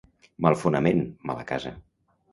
Mal fonament, mala casa.